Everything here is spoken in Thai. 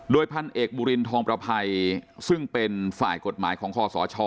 พันเอกบุรินทองประภัยซึ่งเป็นฝ่ายกฎหมายของคอสช